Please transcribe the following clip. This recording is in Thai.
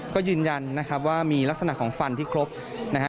ก็ยืนยันนะครับว่ามีลักษณะของฟันที่ครบนะฮะ